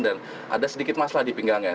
dan ada sedikit masalah di pinggangnya